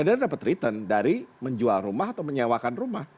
ya dia mendapatkan return dari menjual rumah atau menyewakan rumah